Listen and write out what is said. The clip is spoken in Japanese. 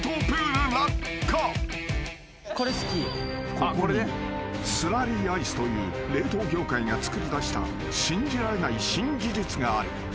［ここにスラリーアイスという冷凍業界がつくりだした信じられない新技術がある］